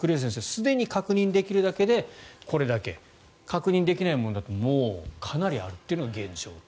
すでに確認できるだけでこれだけ確認できないものだとかなりあるというのが現状だと。